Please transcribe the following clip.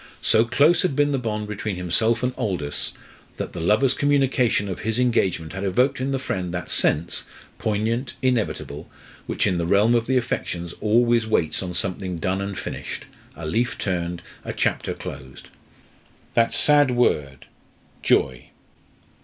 So close had been the bond between himself and Aldous, that the lover's communication of his engagement had evoked in the friend that sense poignant, inevitable which in the realm of the affections always waits on something done and finished, a leaf turned, a chapter closed. "That sad word, Joy!"